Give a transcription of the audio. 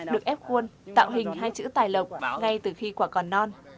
được ép khuôn tạo hình hai chữ tài lộc ngay từ khi quả còn non